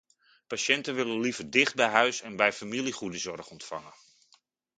Patiënten willen liever dicht bij huis en bij familie goede zorg ontvangen.